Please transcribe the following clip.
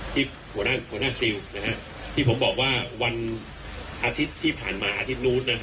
ที่หัวหน้าซิลที่ผมบอกว่าวันอาทิตย์ที่ผ่านมาอาทิตย์นู้น